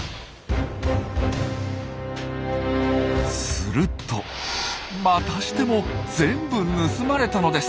するとまたしても全部盗まれたのです。